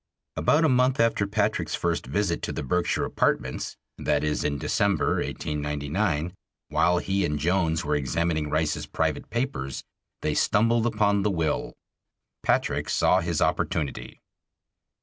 About a month after Patrick's first visit to the Berkshire Apartments, that is, in December, 1899, while he and Jones were examining Rice's private papers, they stumbled upon the will. Patrick saw his opportunity.